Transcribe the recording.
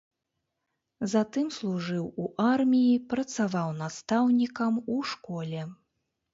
Затым служыў у арміі, працаваў настаўнікам у школе.